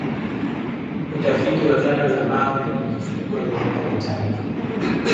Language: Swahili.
Utafiti wa zana za mawe ulichukua miaka mitatu